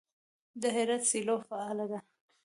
د هرات سیلو فعاله ده.